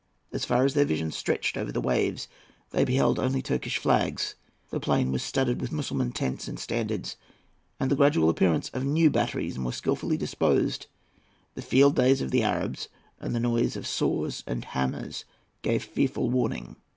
As far as their vision stretched over the waves they beheld only Turkish flags. The plain was studded with Mussulman tents and standards; and the gradual appearance of new batteries more skilfully disposed, the field days of the Arabs, and the noise of saws and hammers, gave fearful warning.